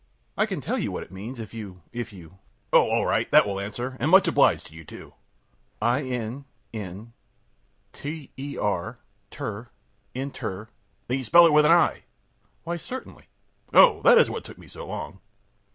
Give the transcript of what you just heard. I can tell you what it means, if you if you ö ōOh, all right! That will answer, and much obliged to you, too.ö ōIn, in, ter, ter, inter ö ōThen you spell it with an I?ö ōWhy certainly!ö ōOh, that is what took me so long.